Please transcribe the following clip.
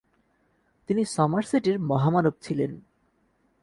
তিনি সমারসেটের মহামানব ছিলেন।